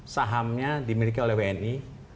sahamnya dimiliki oleh wni